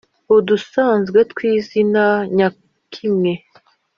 udusanzwe tw’izina nyakimwe